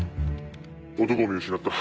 男を見失った。